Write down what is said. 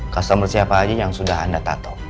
kustomer siapa aja yang sudah anda tatu